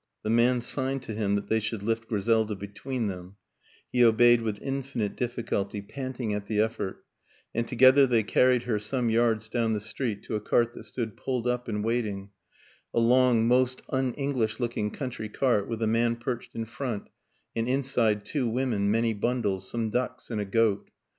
The man signed to him that they should lift Griselda between them; he obeyed with infinite difficulty, panting at the effort, and together they carried her some yards down the street to a cart that stood pulled up and waiting a long, most un English looking country cart with a man perched in front and inside two women, many bundles, some ducks and a goat.